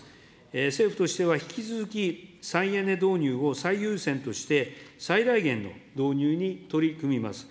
政府としては引き続き、再エネ導入を最優先として、最大限の導入に取り組みます。